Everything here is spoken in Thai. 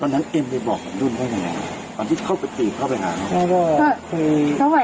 ตอนนั้นเอ็มมีบอกหนุ่มให้ไงก่อนที่เขาก็ตีบเข้าไปหาเขา